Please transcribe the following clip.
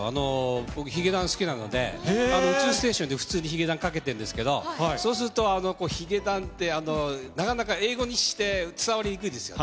僕、ヒゲダン好きなので、宇宙ステーションで普通にヒゲダンかけてるんですけど、そうすると、ヒゲダンって、なかなか英語にして伝わりにくいですよね。